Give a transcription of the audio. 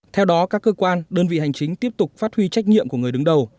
theo đó các cơ quan đơn vị hành chính tiếp tục phát huy trách nhiệm của người đứng đầu